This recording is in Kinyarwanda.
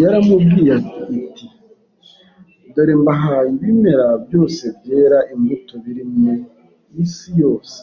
Yaramubwiye iti, “Dore mbahaye ibimera byose byera imbuto biri mu isi yose